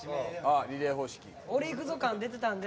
リレー方式。